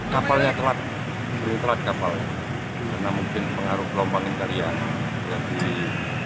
kapalnya telat telat kapalnya karena mungkin pengaruh gelombang yang kalian